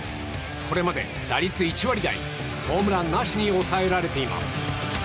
これまで打率１割台ホームランなしに抑えられています。